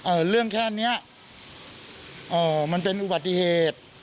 เรื่องแค่เนี้ยเอ่อมันเป็นอุบัติเหตุ